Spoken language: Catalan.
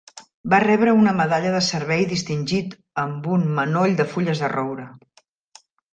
Va rebre una medalla de servei distingit amb un manoll de fulles de roure.